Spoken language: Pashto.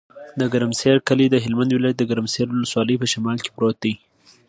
د ګرمسر کلی د هلمند ولایت، ګرمسر ولسوالي په شمال کې پروت دی.